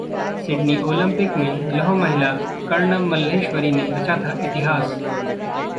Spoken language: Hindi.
सिडनी ओलंपिक में ‘लौह महिला’ कर्णम मल्लेश्वरी ने रचा था इतिहास